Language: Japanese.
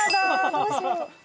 どうしよう。